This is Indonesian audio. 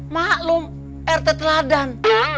maklum rt teladan